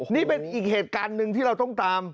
นี่เป็นอีกเหตุการณ์หนึ่งที่เราต้องตาม